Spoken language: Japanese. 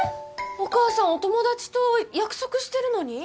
お母さんお友達と約束してるのに？